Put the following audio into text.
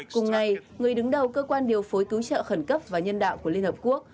cùng ngày người đứng đầu cơ quan điều phối cứu trợ khẩn cấp và nhân đạo của liên hợp quốc